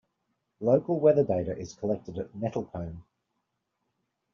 Local weather data is collected at Nettlecombe.